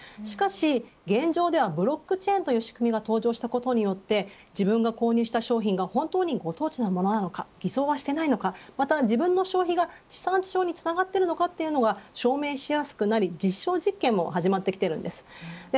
しかし現状ではブロックチェーンという仕組みが登場したことによって自分が購入した商品が本当にご当地のものなのか偽装はしていないのか自分の消費が地産地消につながっているか証明しやすくなり実証実験も始まっています。